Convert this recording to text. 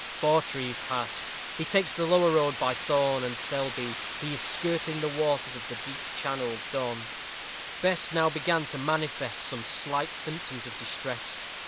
Bawtrey is past. He takes the lower road by Thorne and Selby. He is skirting the waters of the deep channelled Don. Bess now began to manifest some slight symptoms of distress.